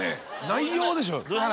内容でしょうよ。